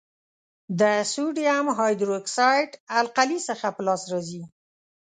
د سوډیم هایدرو اکسایډ القلي څخه په لاس راځي.